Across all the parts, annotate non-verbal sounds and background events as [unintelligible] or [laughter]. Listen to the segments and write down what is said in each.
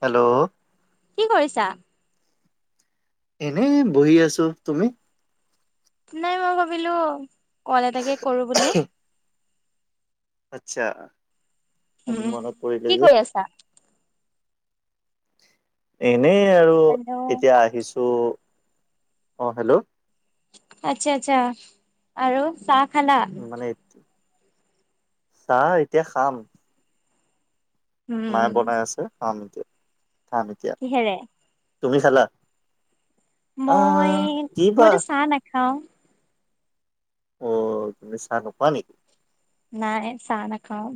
Hello কি কৰিছা এনে বহি আছো তুমি নাই মই ভাবিলো কল এটাকে কৰো বুলি আচ্ছা আজি উম। মনত পৰিল কি যে কৰি আছা? এনেই আৰু এতিয়া হেল্ল' আহিছো ত' অঁ হেল্ল' আচ্ছা আচ্ছা আৰু চাহ খালা? উ মান এইটো চাহ এতিয়া খাম নাই উম। বনাই আছে কম এতিয়া থাম এতিয়া কিহেৰে? তুমি খালা মই আহ কি বা মইতো চাহ নাখাও অ তুমি চাহান পোৱা নেকি নাই চান কও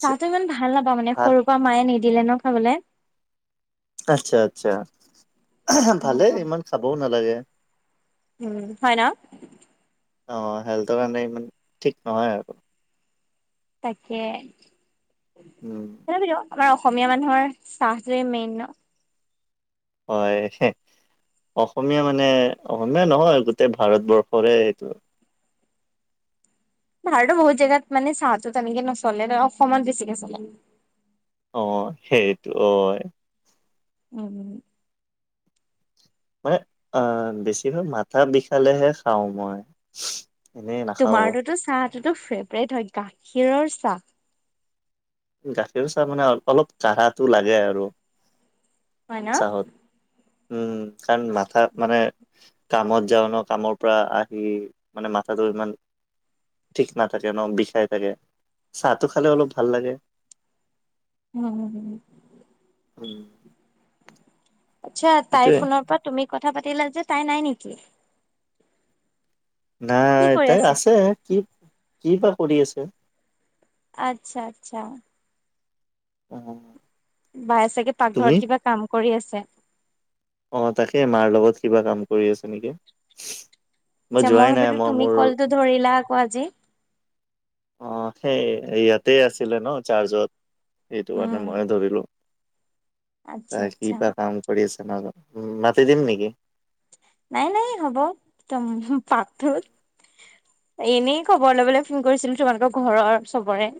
তাহো ইমান ভাল নাপা মানে সৰুৰ পৰা মায়ে নিদিলে ন খাবলৈ আচ্ছা আচ্ছা ভালে ইমান খাবও নালাগে উম হয় ন অ হেল্থৰ কাৰণে ইমান ঠিক নহয় আ তাকে উম অসমীয়া মানুহৰ চাহটোৱে মেইন ন হয়। অসমীয়া মানে অসমীয়া নহয় গোটেই ভাৰতবৰ্ষৰে এইটো ভাহতৰ বহুত জেগাত মানে চাহতো তেনেকে নচলে অসমত বেছিকে চলে অ সেইটো অ উম মান আহ বেছিভাগ মাথা বিষালেহে খাওঁ মই এনেই নাখাওঁ। তোমাৰটোতো চাহটোতো ফেভৰেট হয় গাখীৰৰ চাহ গাখীৰ চাহ মানে অলপ কাঢ়াটো লাগে আৰু হয় ন চাহত। উম কাৰণ মাথা মানে কামত যাওঁ ন কামৰ পৰা আহি মানে মাথাটো ইমান ঠিক নাথাকে ন বিষাই থাকে চাহটো খালে অলপ ভাল লাগে উম উম আচ্ছা তাইৰ সেইটোয়ে ফোনৰ পৰা তুমি কথা পাতিলা যে তাই নাই নেকি কি নাই এ কৰি তাই আছে কি কি বা কৰি আছে আচ্ছা আচ্ছা। অ'। বাই চাগে তুমি? পাকঘৰত কিবা কাম কৰি আছে। অ' তাকে মাৰ লগত কিবা কাম কৰি আছে নেকি। আচ্ছা মই যোৱাই নাই ভাবিলো তুমি মোৰ কলটো ধৰিলা আকৌ আজি। অ' সেই ইয়াতে আছিলে ন চাৰ্জত, সেইটো উম, কাৰণে মই ধৰিলো। আচ্ছা ত কি আচ্ছা বা কাম কৰি আছে ম উ মাতি দিম নেকি? নাই নাই হ'ব, তম পাক এনেই খবৰ লবলৈ ফোন কৰিছিলো তোমালোকৰ ঘৰৰ চবৰে।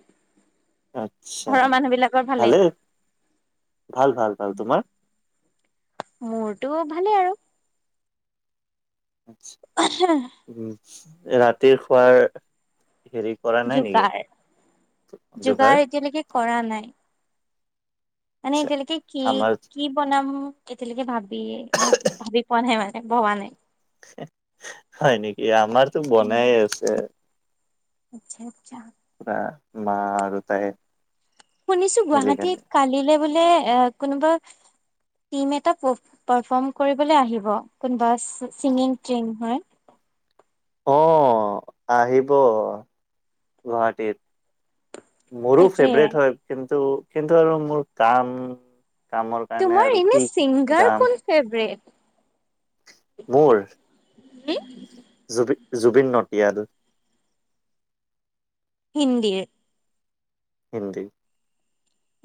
আচ্ছা, ঘৰৰ মানুহ বিলাকৰ ভালে ভাল ভাল ভাল তোমাৰ? মোৰটো ভালেই আৰু। উ ৰাতিৰ খোৱাৰ হেৰি কৰা নাই নেকি যোগাৰ, যোগাৰ এতিয়ালৈকে কৰা নাই। মানে আচ্ছা এতিয়ালৈকে কি আমাৰ কি বনাম এতিয়ালৈকে ভাবি ভ ভাবি পোৱা নাই মানে ভবা নাই। হয় নেকি, আমাৰতো বনাই আছে। আচ্ছা আচ্ছা। পৰা মা আৰু তাই। শুনিছো মিলি গুৱাহাটী কেনে। কালিলে বোলে এ কোনোবা টিম এটা ৰ্পফম কৰিবলৈ আহিব কোনবা চিঙগিঙ টিম হয়। আহ আহিব, গুৱাহাটীত। মোৰো তাকে ফেভাৰেট হয় কিন্তু কিন্তু আৰু মোৰ কাম কামৰ কাৰণে তোমাৰ আৰু এনে কি ছিংগাৰ যাম। কোন ফেভৰেট মোৰ? হম? জ জুবিন নটিয়াল। হিন্দী? হিন্দী।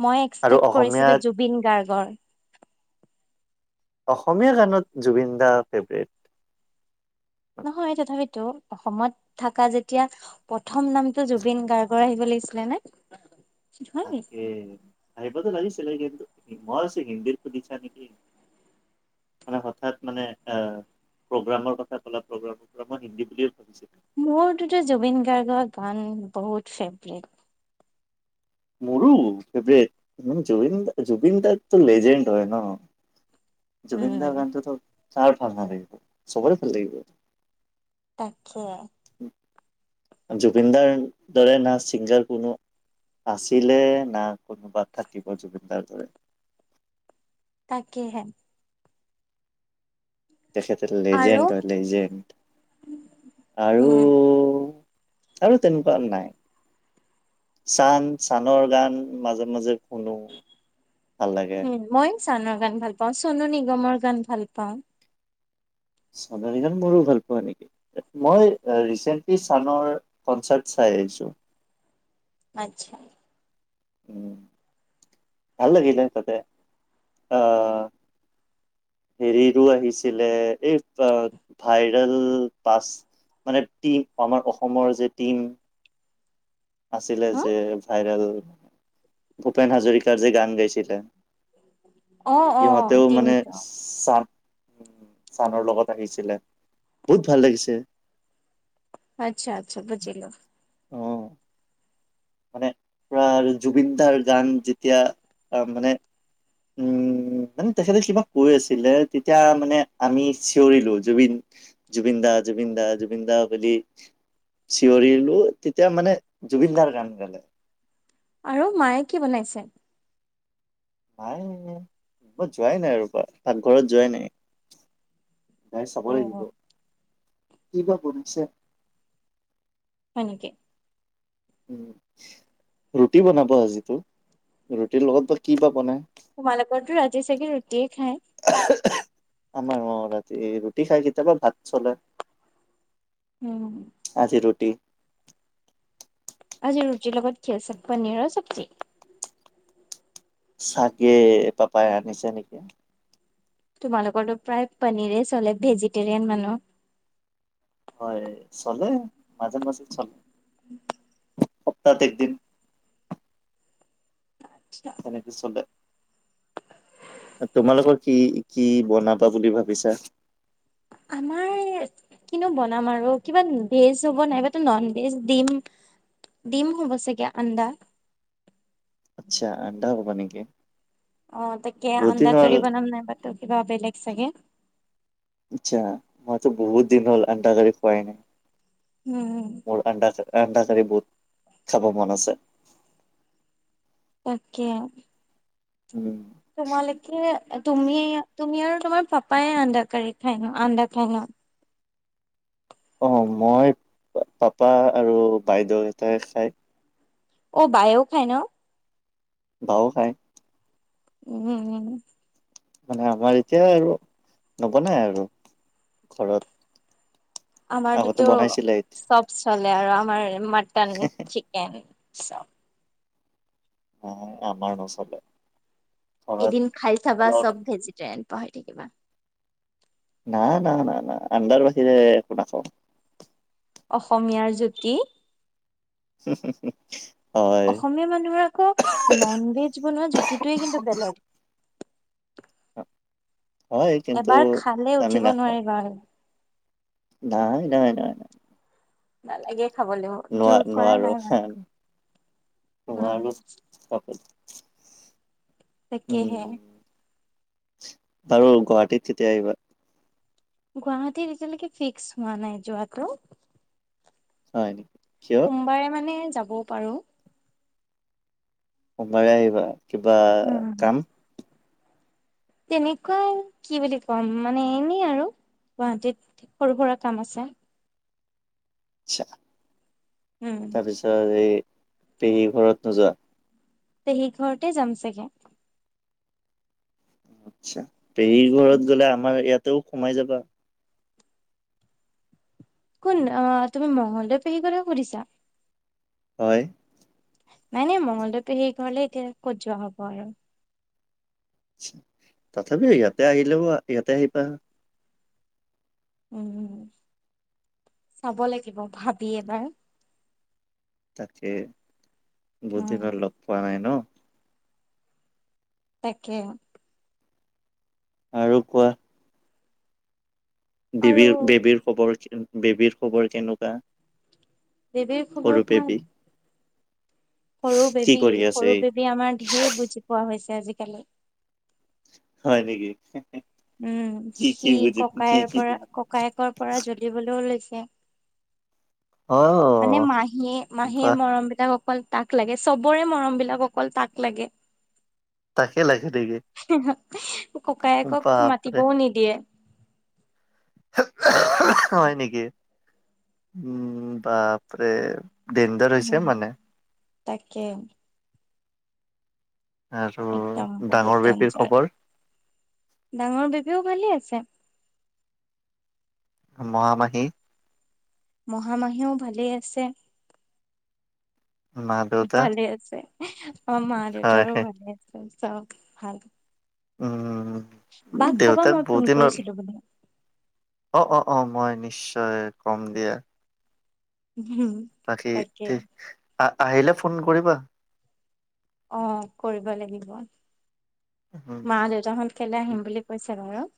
মই আৰু এক্সপেক্ট কৰিছিলো অসমীয়াত জুবিন গাৰ্গৰ। অসমীয়া গানত জুবিন দা ফেভৰেট। নহয় তথাপিতো। অসমত থকা যেতিয়া প্ৰথম নামটো জুবিন গাৰ্গৰ আহিব লাগিছিলে নে। নহয়? তাকে। আহিবা তো লাগিছিলে, কিন্তু মই ভাবিছো হিন্দীৰ শুধিছা নেকি। মানে হঠাৎ মানে, আহ। প্ৰগ্ৰামৰ কথা কলা প্ৰগ্ৰামৰ পৰা মই হিন্দী বুলিয়ে ভাবিছিলো। মোৰতো জুবিন গাৰ্গৰ গান বহুত ফেভৰেট। মোৰো ফেভৰেট জুবিন জুবিনদাটো লেজেণ্ড হয় ন। জুবিন দাৰ উম। গানটোতো কাৰ ভাল নালাগিব চবৰে ভাল লাগিব। তাকেই। জুবিনদাৰ দৰে না ছিংগাৰ বোনো আছিলে না কোনোবাত থাকিব জুবিনদাৰ দৰে। তাকে হে। তেখেতে আৰু লেজেণ্ড হয় লেজেণ্ড, আৰু উম আৰু তেনেকুৱা নাই, চান চানৰ গান মাজে মাজে শুনো ভাল লাগে উম মই চানৰ গান ভাল পাও চনু ন গমৰ গান ভাল পাওঁ। চ মোৰো ভাল পোৱা নেকি মই ৰিচেন্টলি চানৰ কনচাৰ্ট চাই আহছো। আচ্ছা। উম, ভাল লাগিলে তাতে অ' হেৰিৰো আহিছিলে এই ভাইৰেল পাচ মানে, টীম আমাৰ অসমৰ যে টিম। আছিলে হ যে ভাইৰেল ভূপেন হাজৰিকাৰ যে গান গাইছিলে। অ অ ইহঁতেও মানে টিমটো চ উ, চানৰ লগত আহিছিলে। বহুত ভাল লাগিছে। আচ্ছা আচ্ছা বুজিলো। অ' মানে প্ৰাৰ জুবিন দাৰ গান যেতিয়া আহ মানে উম, মানে তেখেতে কিবা কৈ আছিলে। তেতিয়া মানে আমি চিঞৰিলো জুবিন জুবিনদা, জুবিনদা, জুবিনদা বুলি। চিঞৰিলো। তেতিয়া মানে জুবিনদাৰ গান গালে। আৰু মায়ে কি বনাইছে? মাই যোৱাই নাই ৰপ পাকঘৰত যোৱাই নাই। গাই চাব অ লাগিব কি বা বনিছে। হয় নেকি। উ, ৰুটি বনাব আজিতো ৰুটিৰ লগত বা কি বা বনাই। তোমালোকৰতো ৰাতি চাগে ৰুতি। আমাৰ অ' ৰাতি ৰুটি খাই কেতিয়াবা ভাত চলে। উম। ু [inaudible] আজি ৰুটি লগত [unintelligible] পনিৰ চবজি। চাগে পাপাই আনিছে নেকি। তোমালোকৰো প্ৰায় পনিৰে চলে ভেজিটেৰিয়ান মানুহ। হয় চলে। মাজে মাজে চলে। উম। সপ্তাহত একদিন। তেনেক চলে। তোমালোকৰ কি কি বনাবা বুলি ভাবিছা। আমাৰ কিনো বনাম আৰু কিবা ভেজ হ'ব। নাইবাতো নন ভেজ দিম। দিম হব ছাগে আন্দা। আচ্ছা অণ্ডা হ'ব নেকি। অ' তাকে বহুত দিন অন্দা হ'ল কৰি বনাম নাই বা ত' কিবা বেলেক চাগে। আচ্ছা মইতো বহুত দিন হ'ল অন্দা কড়ি খোৱাই নাই। উম মো [unintelligible] অন্দা কৰি বহুত খাব মন আছে। তাকে উম তোমালোকে তুমি তুমি আৰু তোমাৰ পাপাই আন্দা কাৰি খাই ন আন্দা খাই ন অ' মই পাপা আৰু বাইদেউ টাই খায় অ' বায়েও খায় ন। বাও খাই। উম, উম মানে আমাৰ এতিয়া আৰু নবনাই আৰু ঘৰত আগতে আমাৰতাতো বনাইছিলে এতিয়া চব চলে আৰু আমাৰ মটন, চিকেন চব আহ আমাৰ নচলে। ঘৰত এদিন খাই চাবা চব ভেজিটেৰিয়ান পাহয়ী থাকিবা। না, না, না, না আণ্ডাৰ বাহিৰে একো নাখাওঁ। অসমীয়াৰ জুতি। উ হু হু অসমীয়া মানুহৰ আকৌ নন ভেজ বনোৱা জুতিটোৱে কিন্তু বেলেগ [unintelligible] হয় কিন্তু এবাৰ খালে আমি উঠিব নাখাওঁ। নোৱাৰিবা নাই, নাই, নালাগে খাবলৈও ন জোৰ কৰা নোৱাৰো নাই মানে। হম উম [unintelligible] তাকে হে আৰু গুৱাহাটীত কেতিয়া আহিবা গুৱাহাটীৰ এতিয়ালৈকে ফিক্স হোৱা নাই যোৱাটো হয় নেকি কিয়? সোমবাৰে মানে যাবও পাৰো সোবাৰে আহিবা কিবা উম। কাম তেনেকুৱা কি বুলি কম মানে এনেই আৰু গুৱাহাটীত সৰু সুৰা কাম আছে আচ্ছা, উম তাৰপিছত এই পেহী ঘৰত নোযোৱা তে সেই ঘৰতে যাম চাগে আচ্ছা পেহীৰ ঘৰত গলে আমাৰ ইয়াতেও সোমাই যাবা কোন অ', তুমি মংগলদৈ পেহী কৰে সুধিছা হয় নাই, নাই মংগলদৈ পেহীৰ ঘৰলে এতিয়া ক'ত যোৱা হ'ব আৰু তথাপিও ইয়াতে আহিলেও ইয়াতে আহি পা উম, চাব লাগিব ভাবি এবাৰ তাকে বহুত দিন উম হল লগ পোৱা নাই ন ত তাকে আৰু কোৱা আৰু বেবীৰ, বেবীৰ খবৰ বেবীৰ খবৰ কেনেকুৱা দেৱীৰ খবৰ সৰু ভাল বেবী। সৰু কি বেবী কৰি আছে সৰু ই বেবী আমাৰ ঢেৰ বুজি পোৱা হৈছে আজিকালি হয় নেকি উম কি কি সি বুজি কি ককায়ৰ কি পৰা বুজি ককায়েকৰ পৰা জ্বলিবলৈ ও লৈছে এক মানে অ' মাহীয়ে, মাহীয়ে বাহ মৰম বিলাকক অকল তাক লাগে চবৰে মৰম বিলাক অকল তাক লাগে তাকে লাগে নেকি ককায়েকক বাপৰে মাতিবও নিদিয়ে হয়, নেকি উম বাপৰে দেনজ্ঞাৰ হৈছে উম মানে তাকে আৰু একদম ডাঙৰ বহুত বেপীৰ ডেঞ্জাৰ খবৰ যায় ডাঙৰ বেবীও ভালে আছে এক মহামাহি মহামাহীও ভালেই আছে মা খুব দেউতা ভালে আছে অ', মা হয় দেউতাৰো ভালে আছে চব ভাল উম, বাহ দেউ কবা তাক মই বহুত ফোন দিন হ'ল কৰিছিলো বো অ', অ', অ', মই নিশ্চয় কম দিয়া উম বাকী তাকে ঠ আহ আহিলে ফোন কৰিবা অ', কৰিব লাগিব উম, মা, দেউতাহত খেলে আহিম বুলি কৈছে বাৰু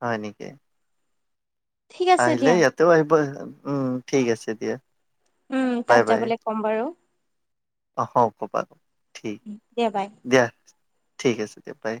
হয়, নেকি ঠিক আছে আহিলে দিয়া ইয়াতেও আহিব, উম ঠিক আছে দিয়া। উম, বাই তাত বাই যাবলে কম বাৰু। অ কবা ঠিক দিয়া বাই দিয়া। ঠিক আছে দিয়া বাই।